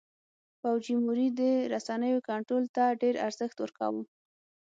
فوجیموري د رسنیو کنټرول ته ډېر ارزښت ورکاوه.